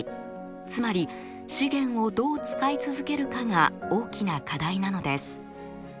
つまり資源をどう使い続けるかが大きな課題なのです。